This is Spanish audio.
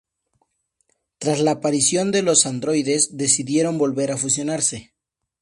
Tras la aparición de los androides, decidieron volver a fusionarse.